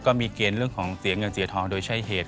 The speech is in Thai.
ก็มีเกณฑ์เรื่องของเสียเงินเสียทองโดยใช้เหตุ